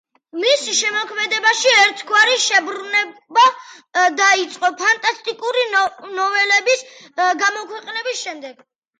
მის შემოქმედებაში ერთგვარი შემობრუნება დაიწყო ფანტასტიკური ნოველების გამოქვეყნების შემდეგ.